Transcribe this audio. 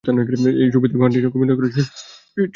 ওই ছবিতে গানটির সঙ্গে অভিনয় করেছিলেন সুচিত্রা সেন।